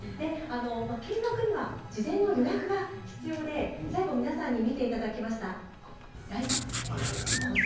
見学には事前の予約が必要で最後皆さんに見ていただきましたライトアップされたコース